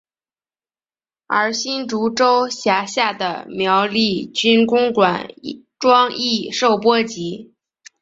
而新竹州辖下的苗栗郡公馆庄亦受波及。